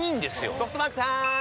ソフトバンクさーん！